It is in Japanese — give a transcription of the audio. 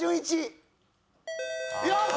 よし！